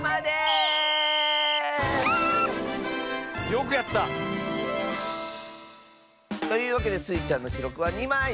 よくやった。というわけでスイちゃんのきろくは２まい！